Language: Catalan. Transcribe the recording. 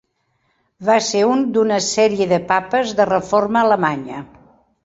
Va ser un d'una sèrie de papes de reforma alemanya.